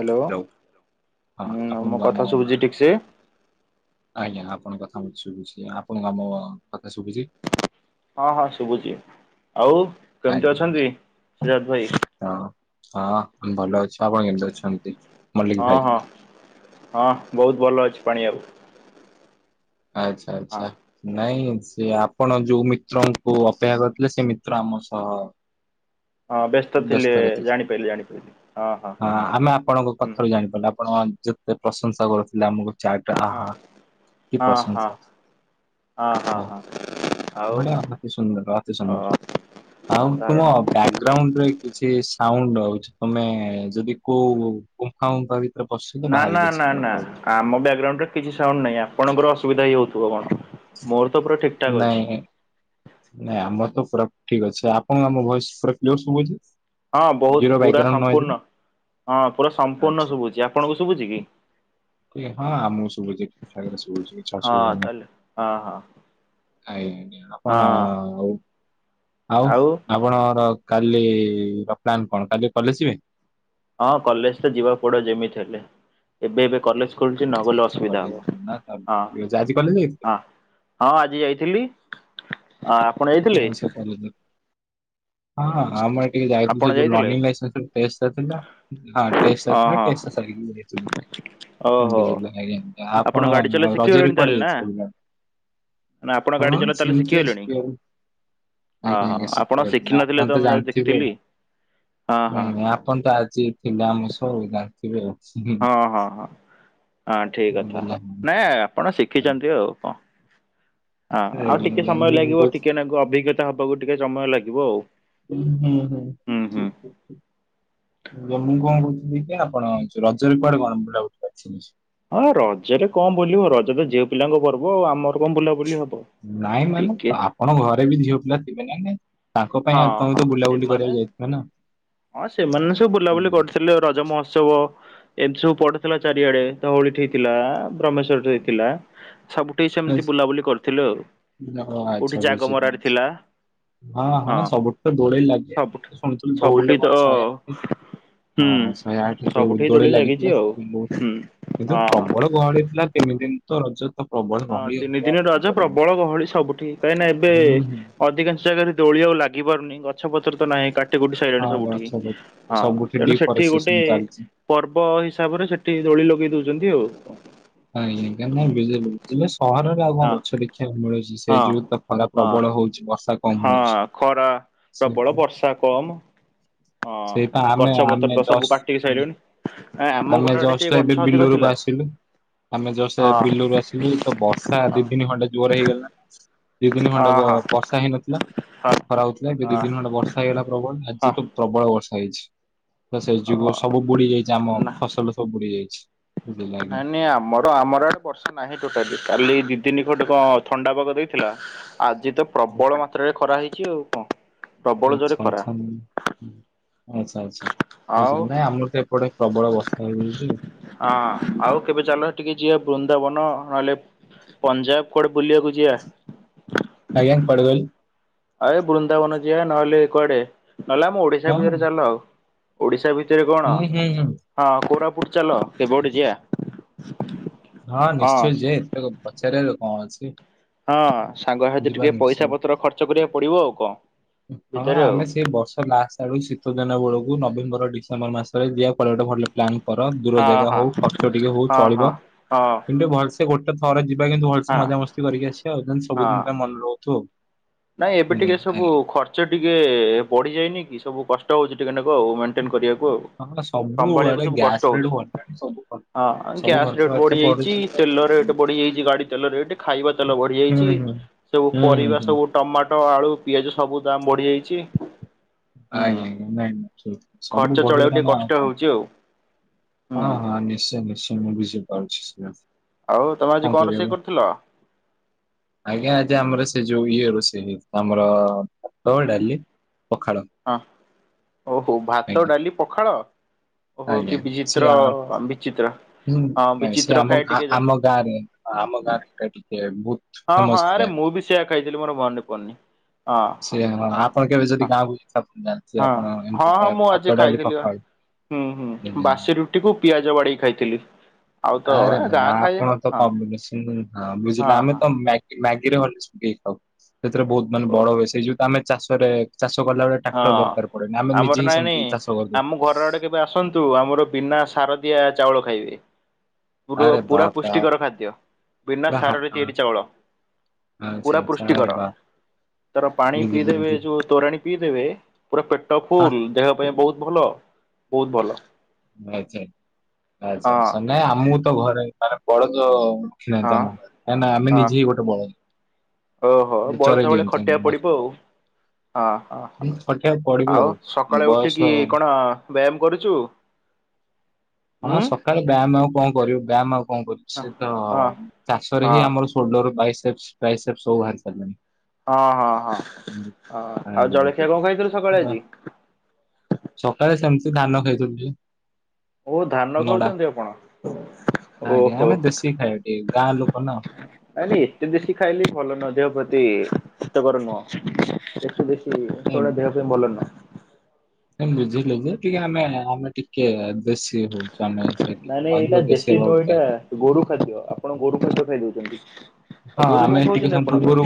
Hello ହଁ ହୁଁ ମୋ ଆପଣଙ୍କୁ ଆମ କଥା ଶୁଭୁଚି ଠିକସେ? ଆଜ୍ଞା ଆପଣଙ୍କ କଥା ମୋତେ ଶୁଭୁଚି ଆପଣଙ୍କୁ ଆମ କଥା ଶୁଭୁଚି? ହଁ ହଁ ଶୁଭୁଛି ଆଉ କେମିତି ଆଜ୍ଞା ଅଛନ୍ତି ସୁରଜ ଭାଇ? ହଁ ହଁ ମୁଁ ଭଲ ଅଛି। ହଁ ହଁ ହଁ ବହୁତ ଭଲ ଅଛି ପାଣି ବାବୁ। ଆଛା ହଁ ଆଛା ନାଇଁ ସେ ଆପଣ ଯୋଉ ମିତ୍ରଙ୍କୁ ଅପେକ୍ଷା କରିଥିଲେ ସେ ମିତ୍ର ଆମ ସହ ହଁ ବ୍ୟସ୍ତ ଥିଲେ ବ୍ୟସ୍ତରେ ଥି ଜାଣିପାରିଲି ଜାଣିପାରିଲି ହଁ ଆମେ ଆପଣଙ୍କ ହୁଁ କଥାରୁ ଜାଣିପାରିଲୁ। ଆପଣ ଯେତେ ପ୍ରଶଂସା କରୁଥିଲେ ଆମକୁ ଚାଟ ହଁ ଆହା କି ପ୍ରଶଂସା। ଅଁ ହଁ ହଁ। ବଢ଼ିଆ ଅତି ସୁନ୍ଦର ଅତି ଆଉ ସୁନ୍ଦର ଆଉ ତୁମ ସାଧାରଣ ବ୍ୟାଗ୍ରାଉଣ୍ଡରେ କିଛି ସାଉଣ୍ଡ ଆଉଚି ତମେ ଯଦି କୋଉ ଗୁମ୍ଫା ଉମ୍ଫା ଭି ନା ନା ନା ନା ଆମ ବ୍ୟାକଗ୍ରାଉଣ୍ଡରେ କିଛି ସାଉଣ୍ଡ ନାହିଁ। ଆ ପଣଙ୍କର ଅସୁବିଧା ହିଁ ହୋଉଥିବ କି କଣ ମୋର ତ ପୁରା ଠିକ ଠାକ୍ ଅଛି ନାଇଁ ନାଇଁ ଆମ ତ ପୁରା ଠିକ୍ ଅଛି ଆପଣ ଆମ ଭଏସ ପୁରା କ୍ଲିୟର ଶୁଭୁଚି? ହଁ ବୋହୁତ ପୁରା ସମ୍ପୂର୍ଣ୍ଣ। ହଁ ପୁରା ସମ୍ପୂର୍ଣ୍ଣ ଶୁଭୁଚି ଆପଣଙ୍କୁ ଶୁଭୁଚି କି? ୟେ ହଁ ଆମକୁ ଶୁଭୁଚି ଠିକ୍ ଠାକ୍ ରେ ଶୁଭୁଚି କିଛି ହଁ ଅସୁବିଧା ନାହିଁ। ତାହେଲେ ହଁ ହଁ ଆଜ୍ଞା ହଁ ଆପଣ ଆଉ ଆଉ ଆପଣର କାଲିର ପ୍ଲାନ କଣ କାଲି କଲେଜ ଯିବେ? ହଁ କଲେଜ ତ ଯିବାକୁ ପଡିବ ଯେମିତି ହେଲେ ଏବେ ଏବେ କଲେଜ ଖୋଲିଚି ନଗଲେ ଆଚ୍ଛା ଅସୁବିଧା କଲେଜ ହବ ଯିବେ ନା ତା- ହଁ ଠିକ ଅଛି ଆଜି କଲେଜ ଯାଇଥିଲେ? ହଁ। ହଁ ଆଜି ଯାଇଥିଲି। ଆଁ ଆପଣ ଯାଇଥିଲେ? ହଁଁ ଆମର ଟିକେ ଯାଇଥିଲୁ ଆପଣ ସେ ଯୋଉ ଯାଇଥିଲେ ଲର୍ନିଙ୍ଗ [unintelligible] ଟେଷ୍ଟ ଟା ଥିଲା। ହଁ ଟେଷ୍ଟ ଟା ହଁ ଥିଲା ହଁ। ଟେଷ୍ଟ ଟା ସା ରିକି ଯାଇଥିଲୁ। ଓହୋ [unintelligible] ଆପଣ ଗାଡି ଚଲା ଶିଖିଗଲେଣି ରଜରେ କୁଆଡେ ତାହେଲେ ନା? ଯାଇଥିଲେ ବୁଲି? ନା ଆପଣ ଗାଡି ହଁ ଚଲା ତାହେଲେ ସେମିତି ଶିଖିଗଲେଣି [unintelligible] ହଁ ଆଜ୍ଞା ହଁ ଆଜ୍ଞା ଆପଣ ଶିଖିବୁ ଶିଖିନଥିଲେ ଆପଣ ତ ମୁଁ ଜାଣିଥିବେ ଆଉ। ଦେଖିଥିଲି। ହଁ ହଁ ନାଇଁ ନାଇଁ ଆପଣ ତ ଆଜି ଥିଲେ ଆମ ସହ ଜାଣିଥିବେ ଆଉ। ହୁଁ, ହଁ ହଁ ହଁ ଅ ଠିକ କଥା ବୁଝିଲେ। ଆଜ୍ଞା ନାଇଁ ଆପଣ ଶିଖିଚନ୍ତି ଆଉ କଣ। ହଁ ଆଉ ଟିକେ ଆଜ୍ଞା। ସମୟ ମୁଁ ଲାଗିବ କହୁଛି- ଟିକେ ନାକୁ ଅଭିଜ୍ଞତା ହବାକୁ ଟିକେ ସମୟ ଲାଗିବ ଆଉ। ଉଁ ହୁଁ ହୁଁ ଠିକ୍ ଠିକ୍ ଠିକ୍। ଏ ଯୋଉ ମୁଁ କଣ କହୁଥିଲି କି ଆପଣ ଯୋଉ ରଜରେ କୁଆଡେ କଣ ବୁଲା ବୁଲି କରିଥିଲେ? ହଁ ରଜରେ କଣ ବୁଲିବ ରଜ ତ ଝିଅ ପିଲାଙ୍କ ପର୍ବ ଆଉ ଆମର କଣ ବୁଲାବୁଲି ହବ। ନାଇଁ ମାନେ ଟିକେ ଆପଣ ଘରେ ବି ଝିଅ ପିଲା ଥିବେ ନାଇ ନାଇଁ। ତାଙ୍କ ପାଇଁ ଆ ହଁ ତମେ ହଁ ତ ବୁଲାବୁଲି ସେମାନେ କରିବାକୁ ଯାଇଥିବ ନା? ହଁ ସେମାନେ ସବୁ ବୁଲାବୁଲି କରୁଥିଲେ ରଜ ମହୋତ୍ସବ। ଏମିତି ସବୁ ପଡେଥିଲା ଚାରିଆଡେ ଧହୁଉଳିଠେ ହେଇଥିଲା ବ୍ରହ୍ମେଶ୍ଵର ଠେ ହେଇଥିଲା। ସବୁଠି ସେମିତି ସେଥିପାଇଁ। ବୁଲାବୁଲି କରିଥିଲୁ ଆଉ ଓ ଆଚ୍ଛା କୋଉଠି ବୁଝିଲି। ଜାଗମରାରେ ଥିଲା। ହଁ ସବୁଠି ତ ଦୋଳି ଲାଗେ ସବୁଠି ଶୁଣିଥିଲି ଧଉଳିରେ ସବୁଠି କଣ ତ ଶହେ ଆଠ ହୁଁ ହଁ ଶହେ ଆଠ ଦ ସବୁଠି ଦୋଳି ଲାଗିଛି ଲାଗିଥିଲା ଆଉ [unintelligible] ହୁଁ ଏ ଯୋଉ ହଁ ହଁ। ପ୍ରବଳ ଗହଳି ଥିଲା ତିନି ଦିନ ତ ରଜ ତ ପ୍ରବଳ ହଁ ଗହଳି ତିନି ହବ ଆଉ ଦିନ କଣ ରଜ କରିବି। ପ୍ରବଳ ଗହଳି ସବୁଠି କାହିଁକି ଏବେ ହୁଁ ହୁଁ ଅଧିକାଂଶ ଜାଗାରେ ଦୋଳି ଆ ଲ ଲାଗି ପାରୁନି ଗଛପତ୍ର ତ ନାହିଁ କା ଟି କୁଟି ଗୋଟେ ହଁ ସାଇିଲାଣି ଗଛ ସବୁଠି ବ- ହଁ ସବୁଠି ତେଣୁ ସେଠି ଡିଫରେଷ୍ଟେସନ ଗୋଟେ ଚାଲିଛି। ପର୍ବ ହିସାବରେ ସେଠି ଦୋଳି ଲଗେଇ ଦଉଚନ୍ତି ଆଉ। ନାଇଁ ଆଜ୍ଞା ହୁଁ [unintelligible] ସହରରେ ଆଉ କଣ ହଁ ଗଛ ଦେଖିବାକୁ ମିଳେ ସେ ହଁ। ଯୁଗୁରୁ ତ ଖ ହଁ ପ୍ରବଳ ହଉଚି ବର୍ଷା କମ ହଁ ହଉଛି। ଖରା ସେ ପ୍ରବଳ ବର୍ଷା କମ। ହଁ ସେଇପା ଆମେ ଗଛ ପତ୍ର ଆମେ ତ ସବୁ ଜଷ୍ଟ କାଟିକି ସାଇଲୁନି। ଆମେ ଯଷ୍ଟ ଏବେ ବିଲୋରୁ ପା ଆସିଲୁ। ଆମେ ଯଉ ସେ ହଁ ବିଲୁରୁୁ ଆସିଲୁ ତ ବର୍ଷା ହଁ ଦିଇ ତିନି ଖଣ୍ଟେ ଜୋର ହେଇଗଲା। ଦିଇ ତିନି ଖଣ୍ଡେ ହଁ ହଁ ବ-ବର୍ଷା ହେଇନଥିଲା। ହଁ। ଖରା ହୋଉଥିଲା ଏବେ ଦିଇ ଅ ଦିନ ଖଣ୍ଡେ ବର୍ଷା ହେଇଗଲା ପ୍ରବଳ ଆଜି ହଁ ତ ପ୍ରବଳ ବର୍ଷା ହେଇଚି ତ ସେ ଯୋଗୁ ଅ ସବୁ ବୁଡି ଯାଇଚି ଆମ ନା ଫସଲ ସବୁ ବୁଡି ଯାଇଛି। ବୁଝିଲ ଆଜ୍ଞା। ନାଇଁ ନାଇଁ ଆମର ଆମର ଆଡେ ବର୍ଷା ନାହିଁ ଟୋଟାଲି କାଲି ଦି ତିନି ଖଟ କଣ ଥଣ୍ଡାପାଗ ଦେଇଥିଲା। ଆଜି ତ ପ୍ରବଳ ମାତ୍ରାରେ ଖରା ହେଇଚି ଆଉ କଣ। ପ୍ରବଳ ଜୋରେ ଆଛା ଖରା। ଆଛା ହୁଁ ହୁଁ ଆଛା। ଆଛା ଆଛା ଆଉ ବୁଝିଲ ନାଇଁ ଆମର ତ ଏପଟେ ପ୍ରବଳ ବର୍ଷା ହେଇଯାଇଚି ଆଉ। ହଁ ଆଉ କେବେ ଚାଲ ହେଟିକି ଯିିବା ବୃନ୍ଦାବନ ନହେଲେ ପଞ୍ଜାବ କୁଆଡେ ବୁଲିବାକୁ ଯିବା। [unintelligible] ଆ ଏ ବୃନ୍ଦାବନ ଯିଆ ନହେଲେ କୁଆଡେ ନହେଲେ ଆମ ଓଡିଶା ହଁ ଭିତରେ ଚାଲ ଆଉ ଓଡିଶା ଭିତ ତରେ କଣ ହୁଁ ହୁଁ ହୁଁ। ହଁ କୋରାପୁଟ ଚାଲ କେବେ ଗୋଟେ ଯିଆ। ହଁ ନିଶ୍ଚୟ ଯେ ତାକୁ ପଚାରେ ଆଗ କଣ ଅଛି। ହଁ ସାଙ୍ଗସାଥିରେ ଯିବା ଟିକେ ନିଶ୍ଚୟ ପଇସା ପତ୍ର ଖର୍ଚ୍ଚ କରିବାକୁ ପଡିବ ଆଉ କଣ। ହଁ ଭିତରେ ଆଉ ଆମେ ସେଇ ବର୍ଷ ଲାଷ୍ଟ ଆଡୁ ଶୀତ ଦିନ ବେଳକୁ ନବମ୍ବର ଡିସେମ୍ବର ମାସରେ ଯିବା ପ ଗୋଟେ ଭଲ ପ୍ଲନ୍ କର ଦୂର ହଁ ଜାଗା ହଁ। ହୋଉ ଖର୍ଚ୍ଚ ଟିକେ ହୋଉ ହଁ ହଁ ଚଳିବ। ହଁ କିନ୍ତୁ ଭଲସେ ଗୋଟେ ଥରେ ଯିବା କିନ୍ତୁ ଭଲସେ ହଁ ମଜାମସ୍ତି କରିକି ଆସିବା। ଯେନ୍ତି ହଁ। ସବୁଦିନ ପାଇଁ ଭଲ ହୋହୁଥିବ ଆଉ। ନାଇଁ ଏବେ ହୁଁ, ଟିକେ ସବୁ ଖର୍ଚ୍ଚ ଟିକେ ବଢିଯାଇନି କି ସବୁ କଷ୍ଟ ହୋଉଚି ଟିକେ ନା ବ ଆଉ ମେଣ୍ଟେନ କରିବାକୁ ଆଉ ଆଜ୍ଞା ହଁ ସମ୍ଭାଳିବାକୁ ସବୁଆଡେ ସବୁ କଷ୍ଟ ଗ୍ୟାସ୍ ରେଟ୍ ହୋଉଛି। ବଢିଲାଣି ସବୁ ଖ- ହଁ ସବୁ ଗ୍ୟାସ ଖର୍ଚ୍ଚ ରେଟ୍ ବାର୍ଚ୍ଚ ବଢିଯାଇଛି ବଢୁଛି ତେଲ ହୁଁ ରେଟ୍ ବଢି ଯାଇଛି ଗାଡି ତେଲ ରେଟ୍ ଖାଇବା ତେଲ ହୁଁ ବଢିଯାଇଛି। ହୁଁ ସବୁ ହୁଁ ପରିବା ହୁଁ ସବୁ ଟମାଟ ଆଳୁ ପିଆଜ ସବୁ ଦାମ ବଢିଯାଇଛି। ଆଜ୍ଞା ନାଇ। ସ-ସବୁ ଖର୍ଚ୍ଚ ଚଳେଇବାକୁ ଟିକେ ବଢିଗଲାଣି ଆଉ କଷ୍ଟ କଣ ହଉଛି ଆଉ ହଁ ହୁଁ ହଁ ନିଶ୍ଚୟ ନିଶ୍ଚୟ ମୁଁ ବୁଝିବି। [unintelligible] ଆଉ ତମେ ଆଜି କଣ ରୋଷେଇ କରିବା କରିଥିଲ? ଆଜ୍ଞା ଆଜି ଆମର ସେ ଯୋଉ ଇଏ ସେ ଆମର ଭାତ ଡାଲି ପଖାଳ। ହ ଓହୋ ଭାତ ଆଜ୍ଞା ଡାଲି ପଖାଳ। ଓହୋ ଆଜ୍ଞା କି ସେ ବିଚିତ୍ର ଆ ବିଚିତ୍ର। ହୁଁ ହଁ ନାଇଁ ସେ ବିଚିତ୍ର ଆମ ଖାଏ ଟିକେ ଯା ଆମ ଗାଁରେ ଆମ ଗାଁ। [unintelligible] ହଁ ହଁ ଆରେ ମୁଁ ବି ସେଇଆ ଖାଇଥିଲି ମୋର ମାନେ ପଡିନି। ହଁ ସେ ଆପଣ କେବେ ଯଦି ହଁ ଗାଁକୁ ଯାଇଥିବେ ଆପଣ ଜାଣିଥିବେ ହଁ ଆପଣ ଏମିତି ହଁ ଖାଇବା ମୁଁ ଭାତ ଆଜି ଡାଲି ଖାଇଥିଲି ବା। ପଖାଳ। ହୁଁ ହୁଁ ଆଜ୍ଞା। ବାସି ରୁଟିକୁୁ ପିଆଜ ବଡ଼ି ଖାଇଥିଲି। ଆଉ ତ ଆରେ ଏ ଭାଇ ଗାଁ ଖାଇବା ଆପଣ ତ ହଁ। କବ। [unintelligible] ହଁ ବୁଝିଲେ ଆମେ ତ ମ୍ୟା-ମ୍ୟାଗିରେ [unintelligible] ଖାଉ ସେଥିରେ ବହୁତ ମାନେ ଓ ବଡ ହୁଏ ସେଇ ଯୋଉ ଆମେ ଚାଷରେ ଚାଷ କଲା ବେଳେ ହଁ ଟ୍ରାକ୍ଟର ଦରକାର ପଡେନି ଆମେ ନିଜେ ଆମର ହିଁ ନାଇଁ ସେମିତି ନାଇଁ ଚାଷ କରିଦଉ। ଆମ ଘର ଆଡେ କେବେ ଆସନ୍ତୁ ଆମର ବିନା ସାରଦିଆ ଚାଉଳ ଖାଇବେ। ଆରେ ପୁର-ପୁରା ବାପ୍ ରେ ବାପ୍ ପୁଷ୍ଟିକର ଖାଦ୍ୟ ବିନା ପୁରା ହା ସାରରେ ଆ- ତିଆରି ଚାଉଳ ଆଚ୍ଛା ପୁରା ଆଚ୍ଛା ଆରେ ପୃଷ୍ଟିକର ବା ତାର ପାଣି ବୁଝିଲି ପିଇଦେବେ ବୁଝିଲି ଯୋଉ ତୋରାଣୀ ପିଇ ଦେବେ ପୁରା ପେଟ ଆ ଫୁଲ ଦେହ ପାଇଁ ବହୁତ ଭଲ ବହୁତ ଭଲ। ଆଚ୍ଛା ଆଚ୍ଛା ହଁ [unintelligible] ଆମକୁ ଘର ସାରା ପଡେତ। କେହି ନାହାଁନ୍ତି ହଁ ଆମ ଘରେ, କାହିଁକିନା ଆମେ ହଁ ନିଜେ ଗୋଟେ ବଳ। ଓହୋ ବଳଦ ଭଳିଆ ଖଟିବାକୁ ପଡିବ ଆଉ ହଁ ହଁ ଉଁ, ହଁ ଖଟିବାକୁ ପଡିବ ଆଉ ସକାଳେ ଉଠିକି ବୟସ କଣ ବ୍ୟାୟାମ୍ କରୁଛୁ? ହଁ ଉଁ ସକାଳେ ବ୍ୟାୟାମ ଆଉ କଣ କରିବୁ ବ୍ୟାୟାମ ଅ କଣ କରୁଛି ହଁ ସେ ତ ହଁ ଚାଷରେ ହଁ ହିଁ ଆମର ସୋଲଡର ବାଇସେସ ବାଇସେସ ବାହାରି ସାରିଲାଣି। ହଁ ହଁ ହଁ ଆଉ ଜଳଖିଆ କଣ ଖାଇଥିଲୁ ସକାଳେ ଆଜି? ସକାଳେ ସେମିତି ଧାନ ଖାଇଥିଲୁ ଜି ଓ ଧାନ ଖାଉଛନ୍ତି ଆପଣ ଆଜ୍ଞା ଓହୋ। ଆମେ ଦେଶୀ ଖାଇବା ଟିକେ ଗାଁ ଲୋକ ନା। ନାଇଁ ନାଇଁ ଏତେ ଦେଶୀ ଖାଇଲେ ବି ଭଲ ନୁହଁ, ଦେହ ପ୍ରତି ହିତକର ନୁହଁ ଦେଶୀ ଦେଶୀ ଜିନିଷ ଗୁରା ଦେହ ପାଇଁ ଭଲ ନୁହଁ। ସେ ବୁଝିଲେ ଯେ ଟିକେ ଆମେ ଆମେ ଟିକେ ବେଶି ହଉ। ନାଇଁ ନାଇଁ ଏଇଟା ଦେଶୀ ନୁହଁ ଏଇଟା ଗୋରୁ ଖାଦ୍ୟ। ଆପଣ ଗୋରୁ ଖାଦ୍ୟ ଖାଇଦୋଉଛନ୍ତି। ହଁ ଆମେ ଟିକେ ସମୟ ପୂର୍ବରୁ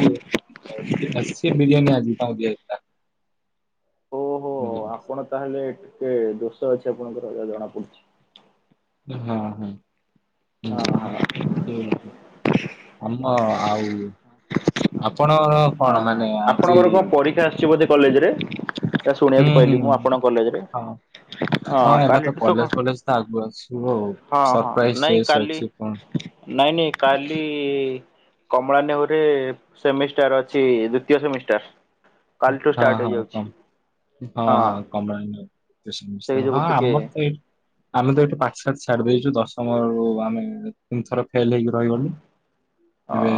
ଆସିଚି ବିରିୟାନୀ ଆଜି। [unintelligible] ଓହୋ ଆପଣ ତାହେଲେ ଟିକେ ଦୋଷ ଅଛି ଆପଣଙ୍କର ଯାହା ଜଣା ପଡୁଛି। ହଁ ହଁ। ହଁ ହଁ [unintelligible] ଆମ ଆଉ ଆ ହଁ ଆପଣଙ୍କର କଣ ପରୀକ୍ଷା ଆସିଛି ବୋଧେ କଲେଜରେ ତା ହୁଁ ଶୁଣିବାକୁ ହୁଁ ପାଇଲିି ମୁଁ ଆପଣଙ୍କ କଲେଜରେ ହଁ ହଁ ଏଇନା ତ କାଲିଠୁ ସ କ କଲେଜ ଫଲେଜ ତ ଆଗକୁ ଆସିବ ଆଉ। ହଁ ହଁ ସରପ୍ରାଇଜ ନାଇଁ ଚେସ୍ କାଲି ଅଛି କଣ ନାଇଁ ନାଇଁ କାଲି କମଳା ନେଉ ସେମିଷ୍ଟାର୍ ଅଛି ଦ୍ଵିତୀୟ ସେମିଷ୍ଟାର୍ କାଲିଠୁ ହଁ ଷ୍ଟାର୍ଟ ହଁ ହୋଇଯାଉଛି। କମ୍ ହଁ ହଁ [unintelligible] ସେଇ ଯୋଗୁ ଆମର ଟିକେ ତ ଏଠି ଆମେତ ପାଞ୍ଚ ଛାଡ଼ି ଦେଇଛୁ ଦଶମରୁ ଆମେ, ତିନିଥର ଫେଲ୍ ହେଇକି ରହିଗଲୁ। ହଁ ଏବେ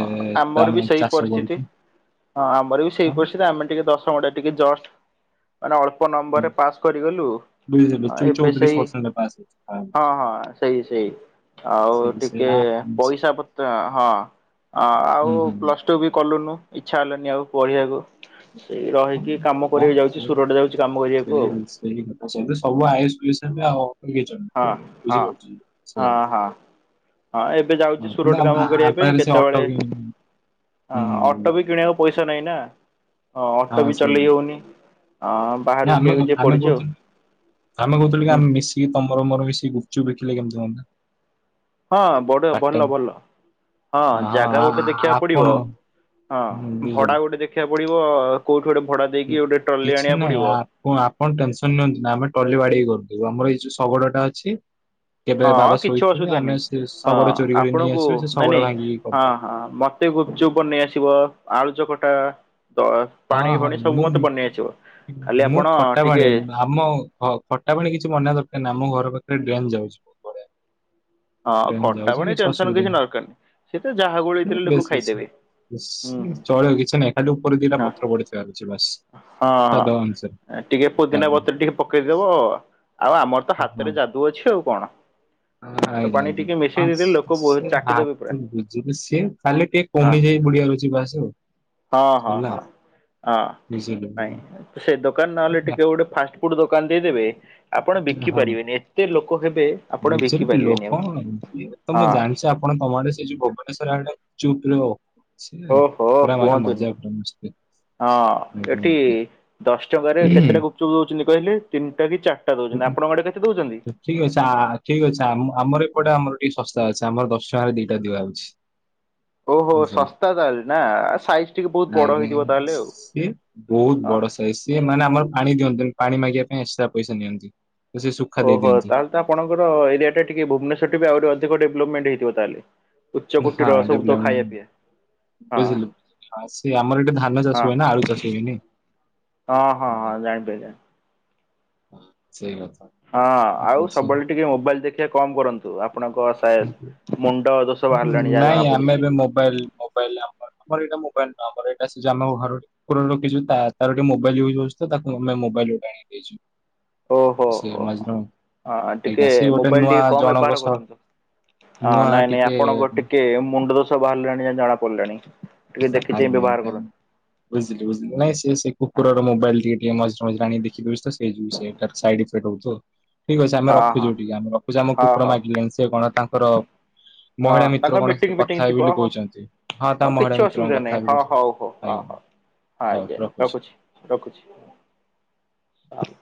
ତ ଆମର ବି ଆମେ ସେଇ ଚାଷ ପରିସ୍ଥିତି କରୁଛୁ। ହଁ ଆମର ବି ସେଇ ପରିସ୍ଥିତି ଆମେ ଟିକେ ଦଶ ଦଶମଟା ଟିକେ ଜଷ୍ଟ ମାନେ ଅଳ୍ପ ନମ୍ୱର୍ ରେ ପାସ୍ କରିଗଲୁ ବୁଝିଲୁ ହଁ ଏବେ ଚଉତିରିଶ ସେଇ ପରସେଣ୍ଟ ପାସ୍ ହେଇଛି। ହଁ ହଁ ସେଇ ସେଇ ଆଉ ସେ ସେ ଟିକେ ନା ହୁଁ ପଇସା ପତ୍ର ହଁ ଅ ଆଉ ହୁଁ ପ୍ଲସ୍ ଟୁ, ବି କଲୁନୁ ଇଛା ହେଲାନି ଆଉ ପଢିବାକୁ। ସେଇ ହଁ ରହିକି କାମ ହଁ କରିବାକୁ ସେ ଯାଉଛି ସୁରାଟ୍ ଯାଉଛି କାମ କରିବାକୁ ସେଇ ଆଉ। ତେବେ ଆଉ ଅଟକେଇଛନ୍ତି। ହଁ ହଁ ବୁଝିପାରୁଛି ହଁ ସେଇଆ ହଁ। ହଁ ଏବେ ହଁ, ଯାଉଛି କିନ୍ତୁ ସୁରଟ ଆମ ଆ କାମ ଆ କରିବା ପାଇଁ ପାଖରେ ସେ ଅଟୋ କେତେବେଳେ। କି ହଁ ହୁଁ ଅଟୋ ବି କିଣିବାକୁ ପଇସା ନାହିଁ ନା ହଁ ଅଟୋ ବି ଚଲେଇ ହଉନି। ହଁ ନା ବାହାରକୁ ଆମେ ଟିକେ ଟିକେ ଆମେ ପଡୁଛି ଆଉ କହୁଥିଲୁ ଆମେ କହୁଥିଲୁ କି ହୁଁ ଆମେ ମିଶିକି ତମ ମର ମୋର ମିଶିକି ଗୁପଚୁପ୍ ବିକିଲେ କେମିତି ହୁଅନ୍ତା? ହଁ ବଡିଅ ପାର୍ଟ ଭଲ ଟାଇମ ଭଲ। ହଁ ଜାଗା ଆ- ଗୋଟେ ଆ- ଦେଖିବାକୁ ପଡିବ ଆପଣ ହଁ ଭଡା ଗୋଟେ ଦେଖିବାକୁ ପୁଡିବ କୋଉଠୁ ଗୋଟେ। ଭଡା ଉଁ ଦେଇକି ଗୋଟେ ଟ୍ରଲି କିଛି ଆଣିବାକୁ ନାଇଁ ପଡିବ। ଆପଣ ଆପଣ ଟେନସନ୍, ନିଅନ୍ତୁନି ଆମେ ଟଲି ବାଡେଇ କି କରୁ। ଏଇ ଯୋଉ ଆମର ଏଇ ଯୋଉ ଶଗଡଟା ଅଛି। କେବେ ହଁ ବାବା କିଛି ଶୋଇଥିବେ ଅସୁବିଧା ନାହିଁ ଆମେ ସେ ହଁ ଶଗଡ଼ ଚୋରି କରି ଆପଣଙ୍କୁ ନେଇଆସିବା ସେ ନାଇଁ ଶଗଡ଼ ନାଇଁ ଭାଙ୍ଗିକି ହଁ କରିଦବା। ହଁ ମତେ ଗୁପଚୁପ୍ ବନେଇ ଆସିବ। ଆଳୁ ଚକଟା। ତ ହଁ ପାଣି, ହଁ ଫଣି ସବୁ ମୁଁ ମତେ ବନେଇ ଆସିବ। ଖାଲି ମୁଁ ଆପଣ ଖଟା ପାଣି ଟିକେ ଆମ ଖ ଖଟା ପାଣି କିଛି ବନେଇବା ଦରକାର ନାହିଁ। ଆମ ଘର ପାଖରେ ଡ୍ରେନ ଯାଉଛି ବହୁତ ବଢିଆ। ହଁ ଡ୍ରେନ୍ ଖଟା ଯାଉଛି ପାଣି ଟେନସନ ଅସୁବିଧା କିଛି ନରକାର ନାହିଁ, ସେ ତ ଯାହା ଗୋଳେଇଦେଲେ ଲୋକ ଖାଇଦେବେ। ଇସ, ହୁଁ ହୁଁ ଚଳିବ କିଛି ନାହିଁ ଖାଲି ଉପରେ ଦିଟା ପ ହଁ ଅନୁସାରେ ହଁ ଟିକେ ପୋଦିନା ପତ୍ର ଆଜ୍ଞା ଟିକେ ପକେଇଦବ ଆଉ' ଆମର ତ ହଁ ହାତରେ, ଯାଦୁ ଅଛି ଆଉ' କଣ? ଆଜ୍ଞା ହାତ ଆଜ୍ଞା ପାଣି [unintelligible] ଟିକେ ମିଶେଇ ଦେଇଦେଲେ ଲୋକ ବହୁତ ଚାଟିଦେବେ ପୁରା ହଁ ପଡିଆରୁ ଯିବା ଆସ ଆଉ। ହଁ, ହଁ, ସରିଲା ହଁ। ଆଉ ହଁ ବୁଝିଲି ନାଇଁ ସେ ଦୋକାନ ନହେଲେ ଟିକେ ଗୋଟେ ଫାଷ୍ଟଫୁଡ ଦୋକାନ ଦେଇଦେବେ? ଆପଣ ବିକି ହଁ। ପାରିବେନି, ଏତେ ଲୋକ ହେବେ ଆପଣ ବିକି ବୁଝିଲି ପାରିବେନି ଆଉ ଲୋକ, ତମେ ହଁ। ଜାଣିଛ ଆପଣ ତମ ଆଡେ ସେ ଯୋଉ ଭୁବନେଶ୍ଵର, ଆଡେ ଗୁପଚୁପ ପ୍ରିୟ ସେ ଓହୋ ପୁରା ମାନେ କୁହନ୍ତୁନି ମଜାକ୍ ଟା ମସ୍ତି ହଁ ଏଠି ଦଶ ଟଙ୍କାରେ କେତେଟା ଗୁପଚୁପ ଦଉଚନ୍ତି କହିଲେ? ତିନି ଠିକ ଅଛି। ଆ' ଠିକ ଅଛି ଆମର, ଏପଟେ ଆମର ଏଇଠି ଶସ୍ତା ଅଛି। ଆମର ଦଶ ଟଙ୍କାରେ ଦିଟା, ଦିଆହୋଉଛି। ଓହୋ ଶସ୍ତା ତାହେଲେ ନା ସାଇଜ ଟିକେ ବହୁତ ନାଇଁ ବଡ ହେଇଥିବ ଆଜ୍ଞା। ତାହେଲେ ଆଉ ସିଏ ବହୁତ ହଁ ବଡ ସାଇଜ ସିଏ ମାନେ ଆମର ପାଣି ଦିଅନ୍ତିନି। ପାଣି ମାଗିବା ପାଇଁ, ଏକ୍ସଟ୍ରା ପଇସା ନିଅନ୍ତି। ତ ସେ ସୁଖା ଦେଇ ଓହୋ ଦିଅନ୍ତି ତାହେଲେ ତ ଆପଣଙ୍କର ଏରିଆ ଟା ଟିକେ ଭୁବନେଶ୍ୱରଠୁ ବି ଆହୁରି ଅଧିକ ଡେଭଲପମେଣ୍ଟ ହେଇଥିବ ତାହେଲେ। ଉଚ୍ଚ ହଁ କୋଟିର ସବୁତ ଡେଭଲପମେଣ୍ଟ ଖାଇବା ପିଇଆ। ବୁଝିଲୁ ସେ ଆମର ଏଠି ଧାନ ହଁ ଚାଷ ହୁଏ ନା ଆଳୁ ଚାଷ ହୁଏନି। ହଁ ହଁ ହୁଁ, ହଁ ଜାଣିପାଇଲି ଜାଣିପାଇ ସେଇ, ବା ହଁ ଆଉ ସବୁବେଳେ ଟିକେ ମୋବାଇଲ ଦେଖିବା କମ କରନ୍ତୁ। ଆପଣଙ୍କ ସା ମୁଣ୍ଡ ଦୋଷ ହୁଁ ବାହାରିଲାଣି ଯାହା ନାଇଁ ଜଣା ଆମେ ପଡୁଛି ଏବେ ମୋବାଇଲ ମୋବାଇଲ ଆମର ଆମର ଏଟା ମୋବାଇଲ ନୁହଁ। ଆମର ଏଟା ସେ ଯୋଉ, ଘରର କୁକୁର ରଖିଛୁ। ତା, ତାର ଗୋଟେ ମୋାଇଲ ଇଉଜ ହଉଚି ତ, ତାକୁ ଆମେ ମୋବାଇଲ ଗୋଟେ ଆଣି [unintelligible] ଓହୋ ସେ ହୋ ହୋ। ମଜନୁ ହଁ ଟିକେ ଆଜ୍ଞା। ସେ ବି ଗୋଟେ ମୋବାଇଲ ନୂଆ ଟିକେ କମ ଜଣଙ୍କ ବ୍ୟବହାର ସହ କରନ୍ତୁ। ହଁ ନୂଆ ନାଇଁ ନାଇଁ ଟିକେ ଆପଣଙ୍କ ଟିକେ ମୁଣ୍ଡ ଦୋଷ ବାହାରିଲାଣି ଯାହା ଜଣାପଡ଼ିଲାଣି। ଆଜ୍ଞା, ଆଜ୍ଞା। ବୁଝିଲି, ବୁଝିଲି ନାଇଁ ସେ, ସେ କୁକୁରର ମୋବାଇଲ ଟିକେ, ଟିକେ ମଝିରେ ମଝିରେ ଆଣି ବିକି ଦଉଚି ତ, ସେ ଯୋଉ ସେ ସାଇଡ ଇଫେକ୍ଟ ରହୁଥିବ। ଠିକ୍ ଅଛି ଆମେ ହଁ ହଁ ରଖୁଛୁ ଟିକେ ଆମେ ରଖୁଛୁ। ଆମ ହଁ କୁକୁର ହଁ ମାଗିଲେଣି ସିଏ କଣ ତାଙ୍କର ହଁ ମହିଳା ମିତ୍ର ତାଙ୍କର କଣ, ସେ ମିଟିଂ କଥା ଫିଟିଂ ହେବେ ବୋଲି କହୁଛନ୍ତି। ହଁ, ତା ମହିଳା ମି ଶୁଭ ଜନେ, ହଁ ହଉ ହଉ ହଁ ହଉ ହଁ ଆଜ୍ଞା ରଖୁଛି ରଖୁଛି।